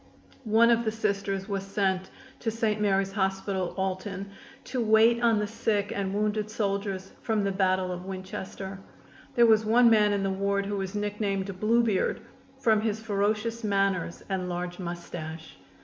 One of the Sisters was sent to St. Joseph's Hospital, Alton, to wait on the sick and wounded soldiers from the battle of Winchester. There was one man in the ward who was nicknamed "Blue Beard," from his ferocious manners and large mustache.